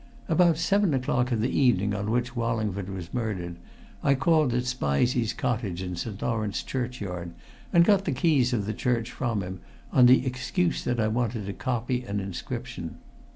"About seven o'clock of the evening on which Wallingford was murdered, I called at Spizey's cottage in St. Lawrence churchyard and got the keys of the church from him, on the excuse that I wanted to copy an inscription.